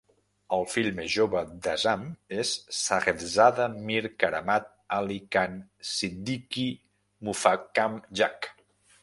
El fill més jove d'Azam es Sahebzada Mir Karamat Ali Khan Siddiqi Muffakham Jah.